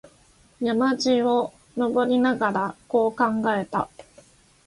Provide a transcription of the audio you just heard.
山路を登りながら、こう考えた。